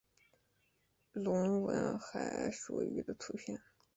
隆吻海蠋鱼的图片